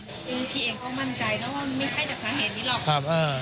อือคิดพี่เองก็มั่นใจน่ะว่าไม่ใช่จากสาเหตุนี้หรอก